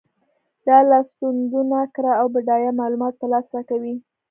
دا لاسوندونه کره او بډایه معلومات په لاس راکوي.